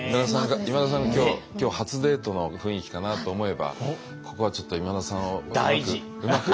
今田さんが今日初デートの雰囲気かなと思えばここはちょっと今田さんをうまく。